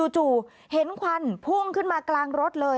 จู่เห็นควันพุ่งขึ้นมากลางรถเลย